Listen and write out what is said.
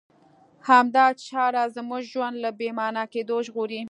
همدا چاره زموږ ژوند له بې مانا کېدو ژغوري.